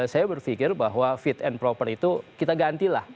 saya berpikir bahwa fit and proper itu kita gantilah